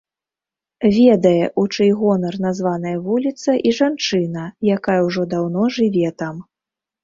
Ведае, у чый гонар названая вуліца, і жанчына, якая ўжо даўно жыве там.